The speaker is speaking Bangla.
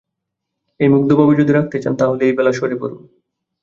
এই মুগ্ধভাব যদি রাখতে চান তা হলে এই বেলা সরে পড়ুন।